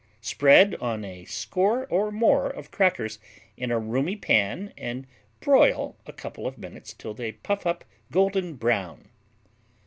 Spread on a score or more of crackers in a roomy pan and broil a couple of minutes till they puff up golden brown.